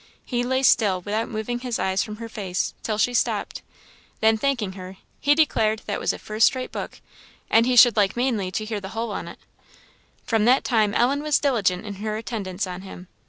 He lay still, without moving his eyes from her face, till she stopped; then thanking her, he declared that was a "first rate book," and he "should like mainly to hear the hull on it." From that time Ellen was diligent in her attendance on him.